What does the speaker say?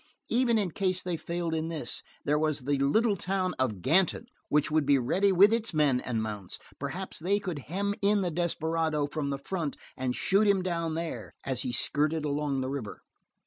Even in case they failed in this, there was the little town of Ganton, which would be ready with its men and mounts. Perhaps they could hem in the desperado from the front and shoot him down there, as he skirted along the river.